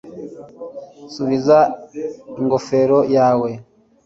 subiza ingofero yawe